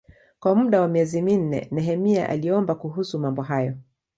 Kwa muda wa miezi minne Nehemia aliomba kuhusu mambo hayo.